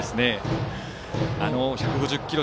あの１５０キロ